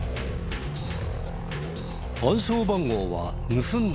暗証番号は盗んだ